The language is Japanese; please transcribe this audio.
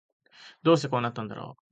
どうしてこうなったんだろう